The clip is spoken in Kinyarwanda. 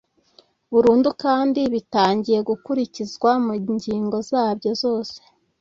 Burundu kandi bitangiye gukurikizwa mu ngingo zabyo zose